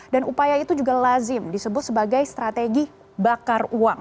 dan upaya itu juga lazim disebut sebagai strategi bakar uang